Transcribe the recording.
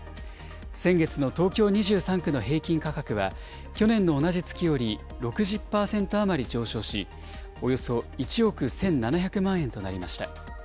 先月の東京２３区の平均価格は、去年の同じ月より６０％余り上昇し、およそ１億１７００万円となりました。